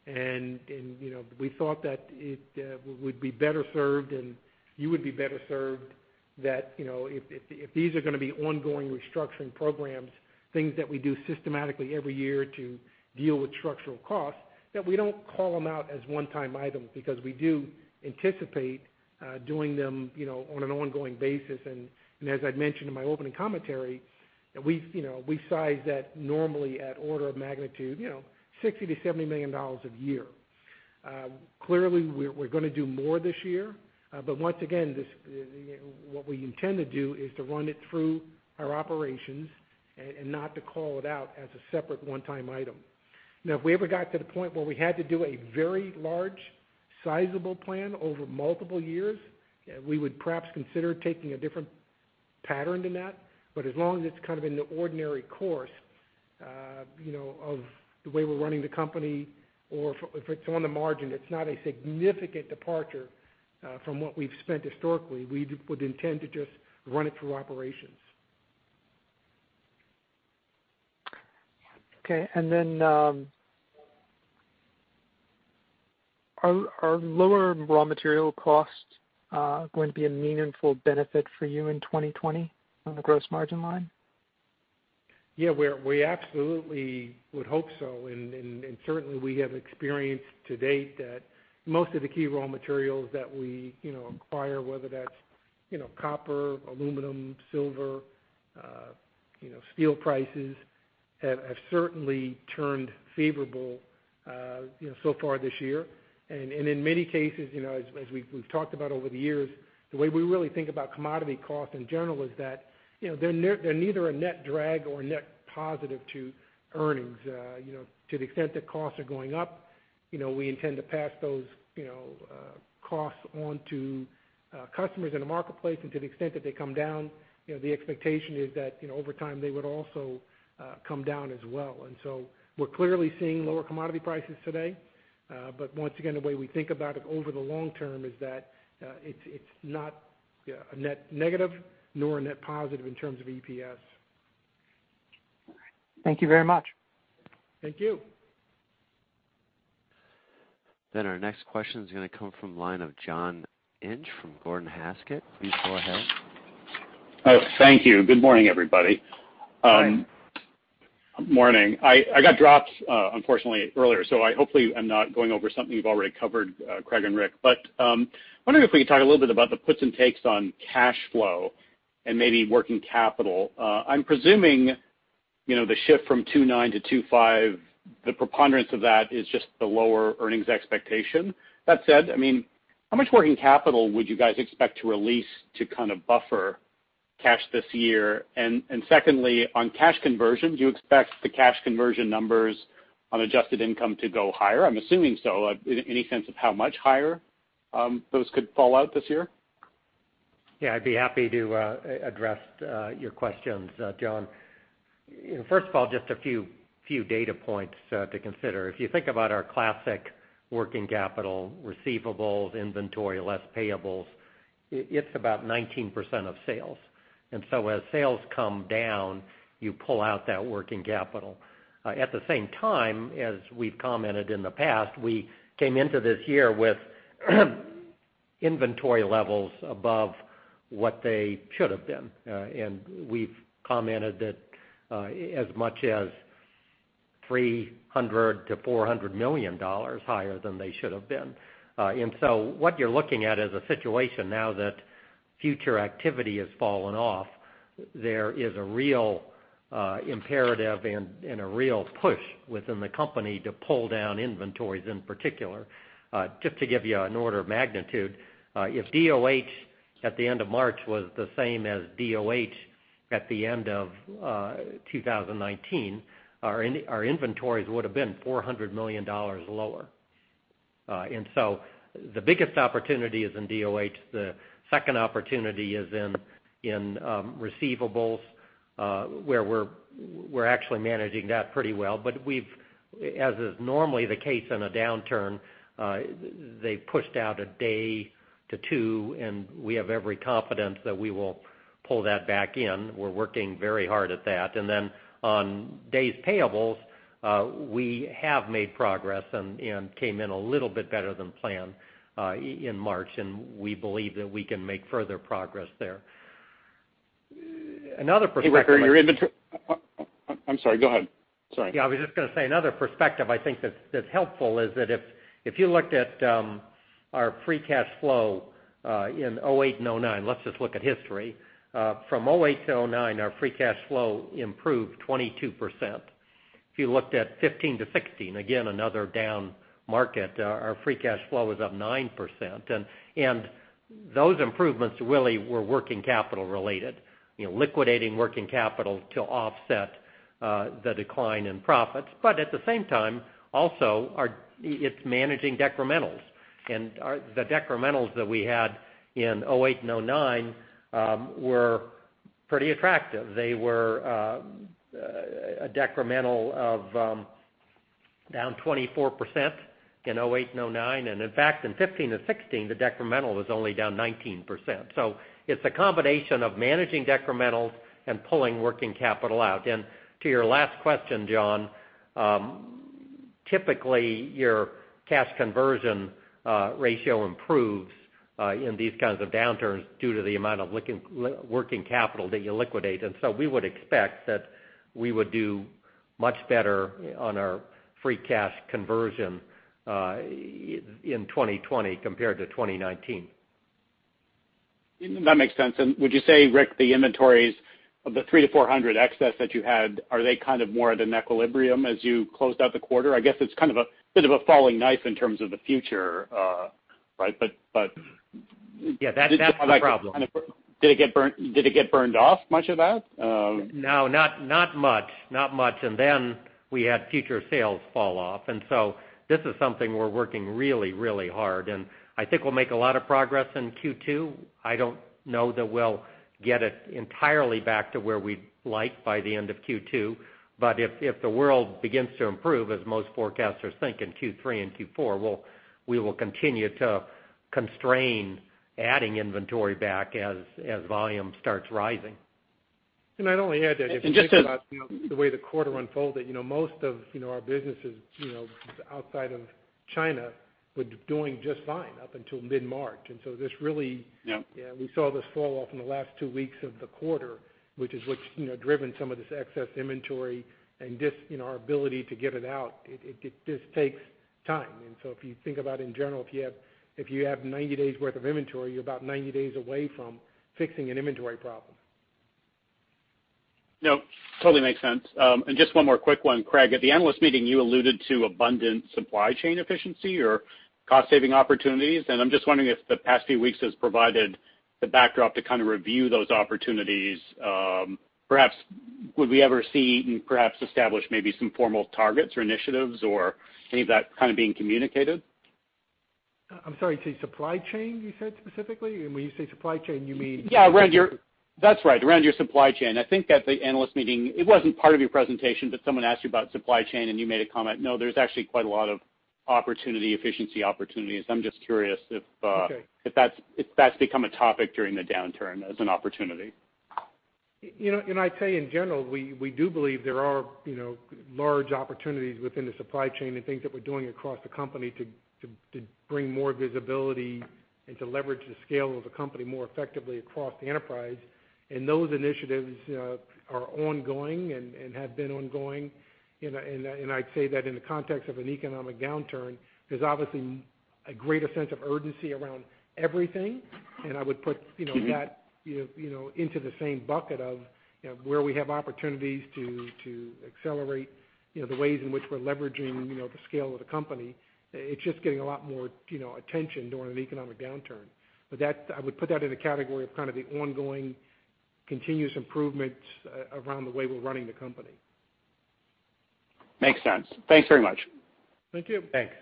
S3: We thought that it would be better served, and you would be better served that, if these are going to be ongoing restructuring programs, things that we do systematically every year to deal with structural costs, that we don't call them out as one-time items because we do anticipate doing them on an ongoing basis. As I'd mentioned in my opening commentary, we size that normally at order of magnitude $60 million to $70 million a year. Clearly, we're going to do more this year. Once again, what we intend to do is to run it through our operations and not to call it out as a separate one-time item. Now, if we ever got to the point where we had to do a very large, sizable plan over multiple years, we would perhaps consider taking a different pattern than that. As long as it's kind of in the ordinary course of the way we're running the company or if it's on the margin, it's not a significant departure from what we've spent historically, we would intend to just run it through operations.
S11: Okay. Are lower raw material costs going to be a meaningful benefit for you in 2020 on the gross margin line?
S3: Yeah, we absolutely would hope so. Certainly, we have experienced to date that most of the key raw materials that we acquire, whether that's copper, aluminum, silver, steel prices, have certainly turned favorable so far this year. In many cases, as we've talked about over the years, the way we really think about commodity costs in general is that they're neither a net drag or a net positive to earnings. To the extent that costs are going up, we intend to pass those costs on to customers in the marketplace. To the extent that they come down, the expectation is that over time, they would also come down as well. We're clearly seeing lower commodity prices today. Once again, the way we think about it over the long term is that it's not a net negative nor a net positive in terms of EPS.
S11: Thank you very much.
S3: Thank you.
S1: Our next question is going to come from the line of John Inch from Gordon Haskett. Please go ahead.
S12: Thank you. Good morning, everybody.
S3: Morning.
S12: Morning. I got dropped unfortunately earlier. Hopefully I'm not going over something you've already covered, Craig and Rick. I'm wondering if we could talk a little bit about the puts and takes on cash flow and maybe working capital. I'm presuming the shift from $2.9 to $2.5, the preponderance of that is just the lower earnings expectation. That said, how much working capital would you guys expect to release to kind of buffer cash this year? Secondly, on cash conversion, do you expect the cash conversion numbers on adjusted income to go higher? I'm assuming so. Any sense of how much higher those could fall out this year?
S3: Yeah, I'd be happy to address your questions, John. First of all, just a few data points to consider. If you think about our classic working capital, receivables, inventory, less payables, it's about 19% of sales. As sales come down, you pull out that working capital. At the same time, as we've commented in the past, we came into this year with inventory levels above what they should have been. We've commented that as much as $300 million-$400 million higher than they should have been. What you're looking at is a situation now that future activity has fallen off. There is a real imperative and a real push within the company to pull down inventories in particular. Just to give you an order of magnitude, if DOH at the end of March was the same as DOH at the end of 2019, our inventories would have been $400 million lower. The biggest opportunity is in DOH. The second opportunity is in receivables, where we're actually managing that pretty well. As is normally the case in a downturn, they pushed out a day to two, and we have every confidence that we will pull that back in. We're working very hard at that. On days payables, we have made progress and came in a little bit better than planned in March, and we believe that we can make further progress there.
S8: Another perspective.
S12: I'm sorry, go ahead. Sorry.
S8: Yeah, I was just going to say another perspective I think that's helpful is that if you looked at our free cash flow, in 2008 and 2009, let's just look at history. From 2008 to 2009, our free cash flow improved 22%. If you looked at 2015 to 2016, again, another down market, our free cash flow was up 9%. Those improvements really were working capital related. Liquidating working capital to offset the decline in profits. At the same time, also, it's managing decrementals. The decrementals that we had in 2008 and 2009 were pretty attractive. They were a decremental of down 24% in 2008 and 2009. In fact, in 2015 and 2016, the decremental was only down 19%. It's a combination of managing decrementals and pulling working capital out. To your last question, John, typically your cash conversion ratio improves, in these kinds of downturns due to the amount of working capital that you liquidate. We would expect that we would do much better on our free cash conversion, in 2020 compared to 2019.
S12: That makes sense. Would you say, Rick, the inventories of the $300-$400 excess that you had, are they kind of more at an equilibrium as you closed out the quarter? I guess it's kind of a bit of a falling knife in terms of the future, right?
S8: Yeah, that's not a problem.
S12: Did it get burned off, much of that?
S8: No, not much. We had future sales fall off. This is something we're working really, really hard, and I think we'll make a lot of progress in Q2. I don't know that we'll get it entirely back to where we'd like by the end of Q2. If the world begins to improve, as most forecasters think in Q3 and Q4, we will continue to constrain adding inventory back as volume starts rising.
S3: I'd only add that if you think about the way the quarter unfolded, most of our businesses outside of China were doing just fine up until mid-March.
S8: Yeah
S3: We saw this fall off in the last two weeks of the quarter, which has driven some of this excess inventory and our ability to get it out. It just takes time. If you think about in general, if you have 90 days worth of inventory, you're about 90 days away from fixing an inventory problem.
S12: No, totally makes sense. Just one more quick one. Craig, at the analyst meeting, you alluded to abundant supply chain efficiency or cost saving opportunities. I'm just wondering if the past few weeks has provided the backdrop to kind of review those opportunities. Perhaps would we ever see perhaps establish maybe some formal targets or initiatives or any of that kind of being communicated?
S3: I'm sorry, say supply chain, you said specifically? When you say supply chain, you mean?
S12: Yeah, that's right, around your supply chain. I think at the analyst meeting, it wasn't part of your presentation, but someone asked you about supply chain and you made a comment. No, there's actually quite a lot of opportunity, efficiency opportunities-
S3: Okay
S12: -if that's become a topic during the downturn as an opportunity.
S3: I'd say in general, we do believe there are large opportunities within the supply chain and things that we're doing across the company to bring more visibility and to leverage the scale of the company more effectively across the enterprise. Those initiatives are ongoing and have been ongoing. I'd say that in the context of an economic downturn, there's obviously a greater sense of urgency around everything. I would put that into the same bucket of where we have opportunities to accelerate the ways in which we're leveraging the scale of the company. It's just getting a lot more attention during an economic downturn. I would put that in the category of kind of the ongoing continuous improvements around the way we're running the company.
S12: Makes sense. Thanks very much.
S3: Thank you.
S8: Thanks.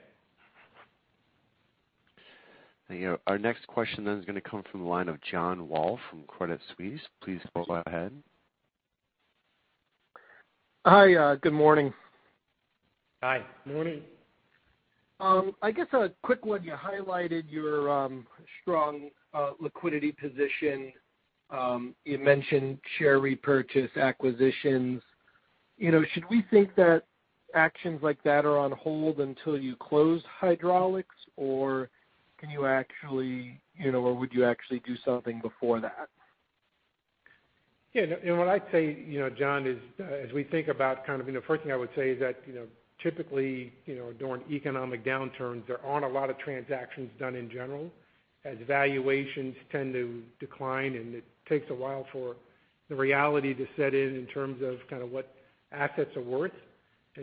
S1: Our next question then is going to come from the line of John Walsh from Credit Suisse. Please go ahead.
S13: Hi. Good morning.
S8: Hi.
S3: Morning.
S13: I guess a quick one. You highlighted your strong liquidity position. You mentioned share repurchase acquisitions. Should we think that actions like that are on hold until you close hydraulics? Or would you actually do something before that?
S3: Yeah. What I'd say, John, is as we think about kind of the first thing I would say is that, typically, during economic downturns, there aren't a lot of transactions done in general, as valuations tend to decline, and it takes a while for the reality to set in terms of kind of what assets are worth.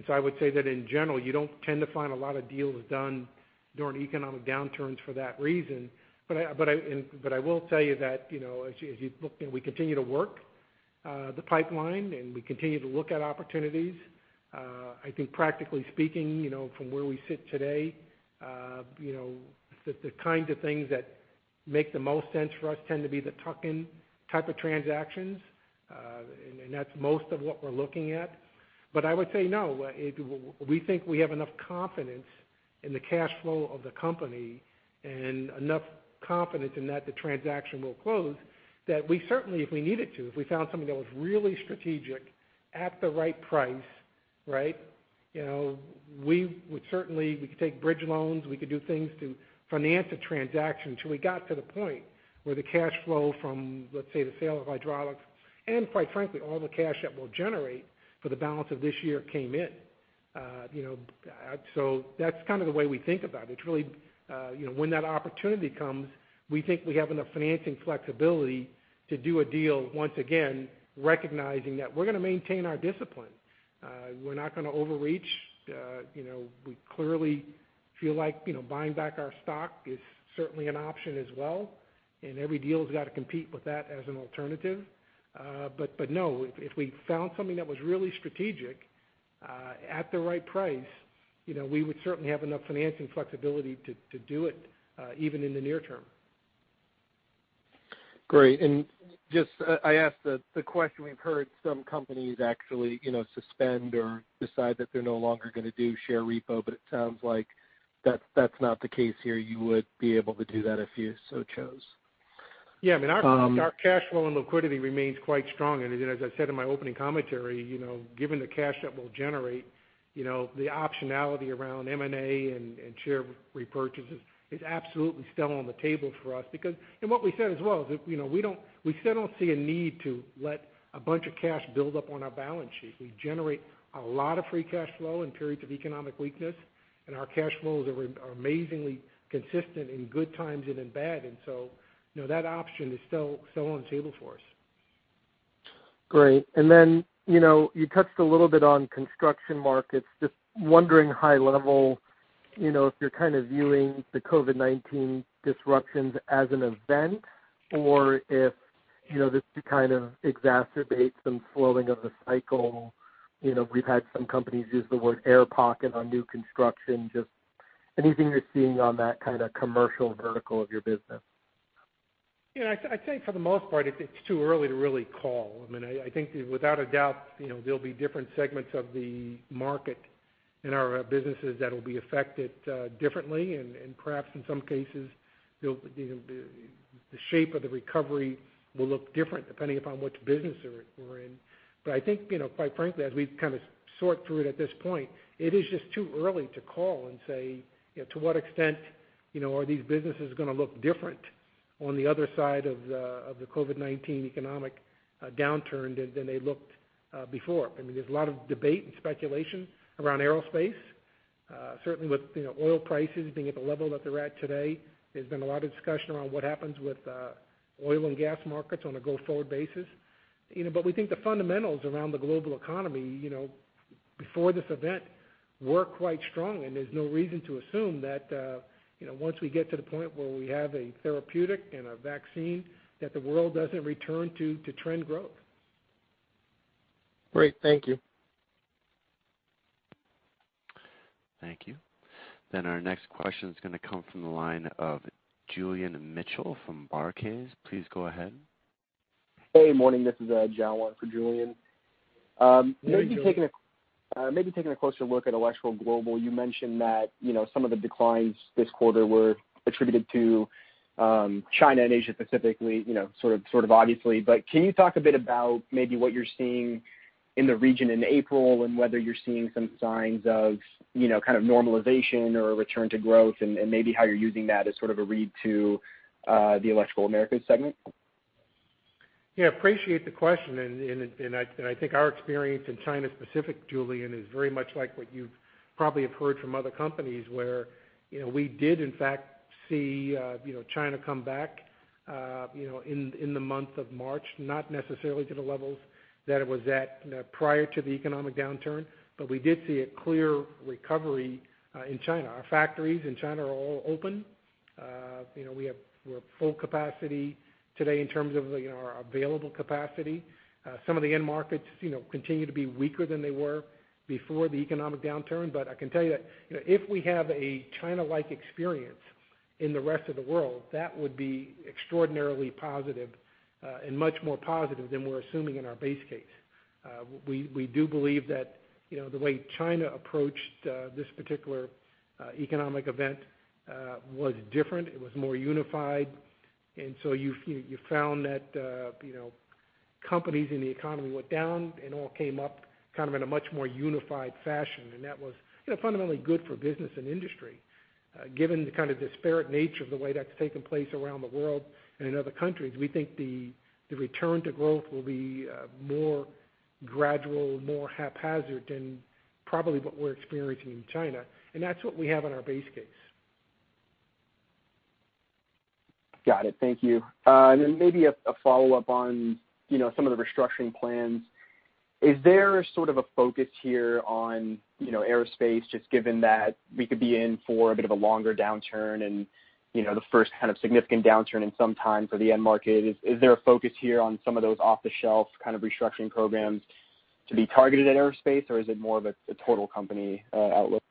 S3: I would say that in general, you don't tend to find a lot of deals done during economic downturns for that reason. I will tell you that as you look and we continue to work the pipeline, and we continue to look at opportunities, I think practically speaking, from where we sit today, the kinds of things that make the most sense for us tend to be the tuck-in type of transactions. That's most of what we're looking at. I would say, no, we think we have enough confidence in the cash flow of the company and enough confidence in that the transaction will close, that we certainly, if we needed to, if we found something that was really strategic at the right price. Right. We could take bridge loans. We could do things to finance a transaction till we got to the point where the cash flow from, let's say, the sale of hydraulics and, quite frankly, all the cash that we'll generate for the balance of this year came in. That's kind of the way we think about it. When that opportunity comes, we think we have enough financing flexibility to do a deal, once again, recognizing that we're going to maintain our discipline. We're not going to overreach. We clearly feel like buying back our stock is certainly an option as well, and every deal's got to compete with that as an alternative. No, if we found something that was really strategic, at the right price, we would certainly have enough financing flexibility to do it, even in the near term.
S13: Great. Just, I ask the question, we've heard some companies actually suspend or decide that they're no longer going to do share repo, but it sounds like that's not the case here. You would be able to do that if you so chose.
S3: Yeah. I mean, our cash flow and liquidity remains quite strong. As I said in my opening commentary, given the cash that we'll generate, the optionality around M&A and share repurchases is absolutely still on the table for us. What we said as well is we still don't see a need to let a bunch of cash build up on our balance sheet. We generate a lot of free cash flow in periods of economic weakness, and our cash flows are amazingly consistent in good times and in bad. That option is still on the table for us.
S13: Great. You touched a little bit on construction markets. Just wondering high level, if you're kind of viewing the COVID-19 disruptions as an event or if this kind of exacerbates some slowing of the cycle. We've had some companies use the word air pocket on new construction, just anything you're seeing on that kind of commercial vertical of your business.
S3: I'd say for the most part, it's too early to really call. I mean, I think without a doubt, there'll be different segments of the market in our businesses that'll be affected differently. Perhaps in some cases, the shape of the recovery will look different depending upon which business we're in. I think, quite frankly, as we kind of sort through it at this point, it is just too early to call and say to what extent are these businesses going to look different on the other side of the COVID-19 economic downturn than they looked before? I mean, there's a lot of debate and speculation around aerospace. Certainly with oil prices being at the level that they're at today, there's been a lot of discussion around what happens with oil and gas markets on a go-forward basis. We think the fundamentals around the global economy, before this event, were quite strong, and there's no reason to assume that once we get to the point where we have a therapeutic and a vaccine, that the world doesn't return to trend growth.
S13: Great. Thank you.
S1: Thank you. Our next question is going to come from the line of Julian Mitchell from Barclays. Please go ahead.
S14: Hey, morning, this is Jawan for Julian.
S3: Hey, Jawan.
S14: Maybe taking a closer look at Electrical Global, you mentioned that some of the declines this quarter were attributed to China and Asia specifically, sort of obviously, but can you talk a bit about maybe what you're seeing in the region in April and whether you're seeing some signs of kind of normalization or a return to growth and maybe how you're using that as sort of a read to the Electrical Americas segment?
S3: Yeah, appreciate the question. I think our experience in China specific, Julian, is very much like what you probably have heard from other companies where we did in fact see China come back in the month of March, not necessarily to the levels that it was at prior to the economic downturn, we did see a clear recovery in China. Our factories in China are all open. We're at full capacity today in terms of our available capacity. Some of the end markets continue to be weaker than they were before the economic downturn, I can tell you that if we have a China-like experience in the rest of the world, that would be extraordinarily positive, and much more positive than we're assuming in our base case. We do believe that the way China approached this particular economic event was different. It was more unified. You found that companies in the economy went down and all came up kind of in a much more unified fashion, and that was fundamentally good for business and industry. Given the kind of disparate nature of the way that's taken place around the world and in other countries, we think the return to growth will be more gradual, more haphazard than probably what we're experiencing in China, and that's what we have in our base case.
S14: Got it. Thank you. Maybe a follow-up on some of the restructuring plans. Is there sort of a focus here on aerospace just given that we could be in for a bit of a longer downturn and the first kind of significant downturn in some time for the end market? Is there a focus here on some of those off-the-shelf kind of restructuring programs to be targeted at aerospace, or is it more of a total company outlook?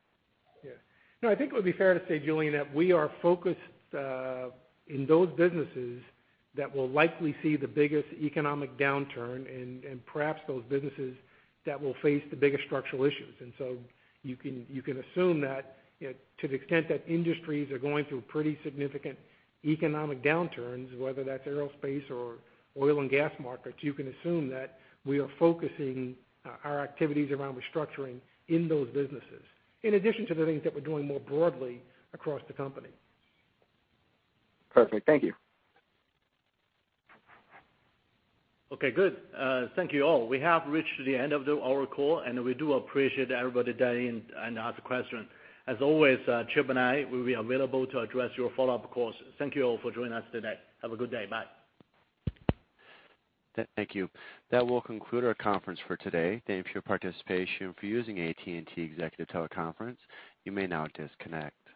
S3: No, I think it would be fair to say, Julian, that we are focused in those businesses that will likely see the biggest economic downturn and perhaps those businesses that will face the biggest structural issues. You can assume that to the extent that industries are going through pretty significant economic downturns, whether that's aerospace or oil and gas markets, you can assume that we are focusing our activities around restructuring in those businesses, in addition to the things that we're doing more broadly across the company.
S14: Perfect. Thank you.
S3: Okay, good. Thank you all. We have reached the end of our call, and we do appreciate everybody dialing in and ask question. As always, Chip and I will be available to address your follow-up calls. Thank you all for joining us today. Have a good day. Bye.
S1: Thank you. That will conclude our conference for today. Thank you for your participation for using AT&T TeleConference Services. You may now disconnect.